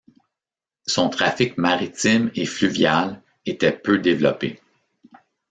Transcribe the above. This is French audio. Son trafic maritime et fluvial était peu développé.